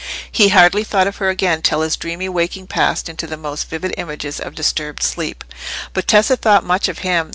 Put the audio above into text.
He hardly thought of her again till his dreamy waking passed into the more vivid images of disturbed sleep. But Tessa thought much of him.